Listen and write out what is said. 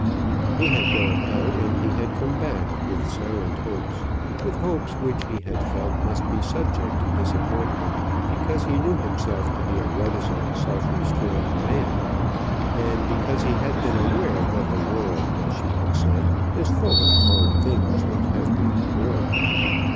He had gone out and he had come back with silent hopes, with hopes which he had felt must be subject to disappointment, because he knew himself to be a reticent, self restrained man; and because he had been aware that "the world," as she had said, "is full of hard things which have to be borne."